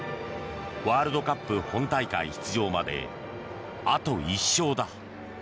ワールドカップ本大会出場まであと１勝だ。